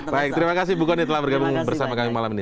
baik terima kasih bu kony telah bergabung bersama kami malam ini